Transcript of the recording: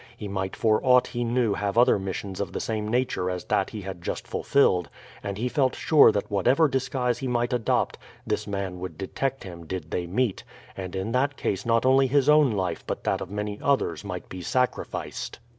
He might for aught he knew have other missions of the same nature as that he had just fulfilled, and he felt sure that whatever disguise he might adopt this man would detect him did they meet, and in that case not only his own life but that of many others might be sacrificed.